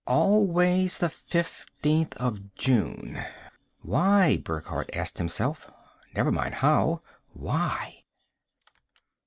Always the fifteenth of June. Why? Burckhardt asked himself. Never mind the how. _Why?